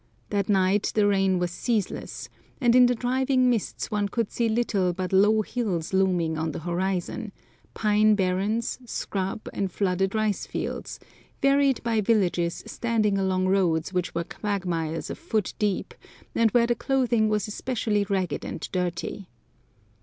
That day the rain was ceaseless, and in the driving mists one could see little but low hills looming on the horizon, pine barrens, scrub, and flooded rice fields; varied by villages standing along roads which were quagmires a foot deep, and where the clothing was specially ragged and dirty.